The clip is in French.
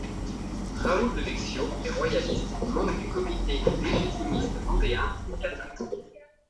Raoul de Vexiau est royaliste, membre du comité légitimiste vendéen et catholique.